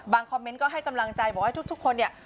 คอมเมนต์ก็ให้กำลังใจบอกว่าทุกคนเนี่ย